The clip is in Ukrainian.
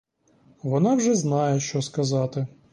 Вона вже знає, що сказати.